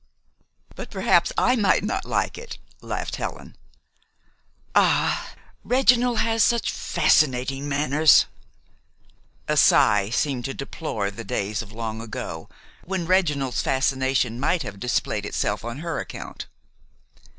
"But perhaps I might not like it," laughed Helen. "Ah, Reginald has such fascinating manners!" A sigh seemed to deplore the days of long ago, when Reginald's fascination might have displayed itself on her account.